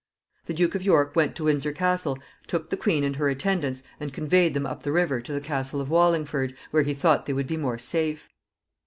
The Duke of York went to Windsor Castle, took the queen and her attendants, and conveyed them up the river to the Castle of Wallingford, where he thought they would be more safe.